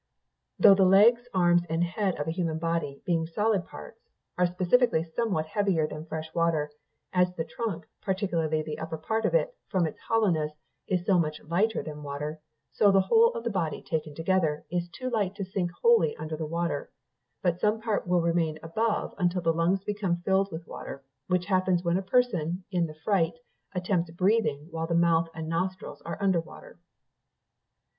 "Though the legs, arms, and head of a human body, being solid parts, are specifically somewhat heavier than fresh water, as the trunk, particularly the upper part, from its hollowness, is so much lighter than water, so the whole of the body, taken altogether, is too light to sink wholly under water, but some part will remain above until the lungs become filled with water, which happens when a person, in the fright, attempts breathing while the mouth and nostrils are under water.